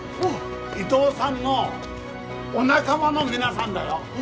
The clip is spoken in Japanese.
伊藤さんのお仲間の皆さんだよ。